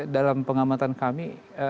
dalam pengamatan kami